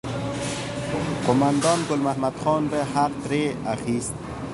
قوماندان ګل محمد خان به حق ترې اخیست.